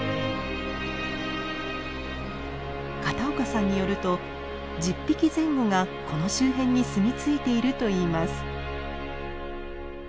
片岡さんによると１０匹前後がこの周辺にすみ着いているといいます。